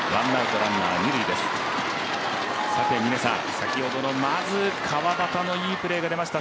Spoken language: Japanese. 先ほどのまず川畑のいいプレーが出ました。